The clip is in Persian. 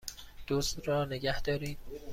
دزد را نگهدارید!